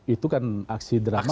itu kan aksi dramanya